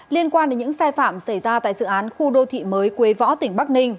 liên quan đến những sai phạm xảy ra tại dự án khu đô thị mới quế võ tỉnh bắc ninh